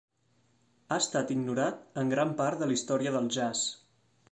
Ha estat ignorat en gran part a l'història del jazz.